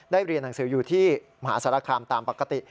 เรียนหนังสืออยู่ที่มหาสารคามตามปกติ